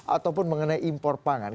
ataupun mengenai impor pangan